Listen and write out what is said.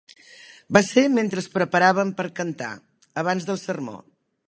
Va ser mentre es preparaven per cantar, abans del sermó.